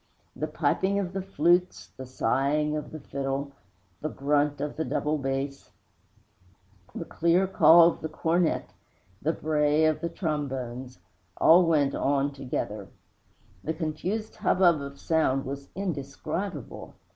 The piping of the flute, the sighing of the fiddle, the grunt of the double bass, the clear call of the cornet, the bray of the trombones, all went on together. The confused hubbub of sound was indescribable.